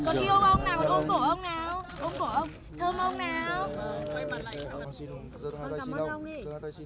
có yêu ông nào ôm cổ ông nào ôm cổ ông nào thơm ông nào